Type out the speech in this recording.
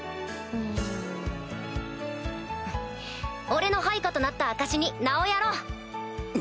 俺の配下となった証しに名をやろう。